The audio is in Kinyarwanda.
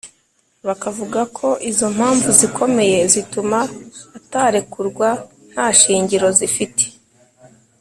Bakavuga ko izo mpamvu zikomeye zituma atarekurwa nta shingiro zifite